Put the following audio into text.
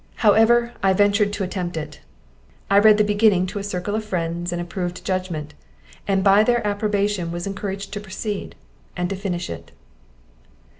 However, I ventured to attempt it; I read the beginning to a circle of friends of approved judgment, and by their approbation was encouraged to proceed, and to finish it.